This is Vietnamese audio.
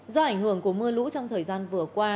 do ảnh hưởng của mưa lũ trong thời gian vừa qua